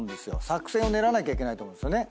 作戦を練らなきゃいけないと思うんですよね。